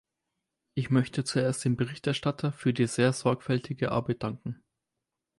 Ich möchte zuerst dem Berichterstatter für die sehr sorgfältige Arbeit danken.